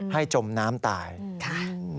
ให้จมน้ำตาลค่ะ